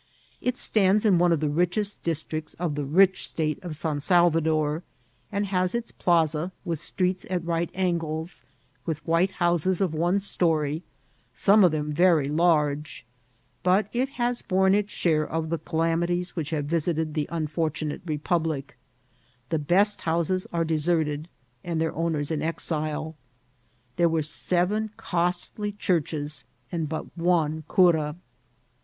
It stands in one of the richest districts of the rich State of San Salvador, and has its plaza, with streets at right angles, and white houses of one story, some of them very large ; but it has borne its share of the calami ities which have visited the unfortunate Republic The best houses are deserted, and their owners in exile. There are seven costly churches and but one cura.